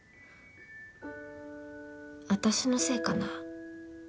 私のせいかな？